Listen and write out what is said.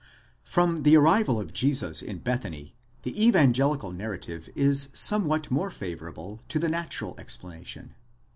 From the arrival of Jesus in Bethany the evangelical narrative is somewhat more favourable to the natural explanation.